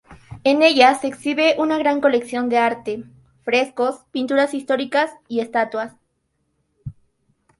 En ella se exhibe una gran colección de arte; frescos, pinturas históricas y estatuas.